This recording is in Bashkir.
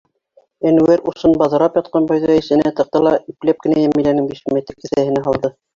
Әнүәр усын баҙрап ятҡан бойҙай эсенә тыҡты ла ипләп кенә Йәмиләнең бишмәте кеҫәһенә һалды.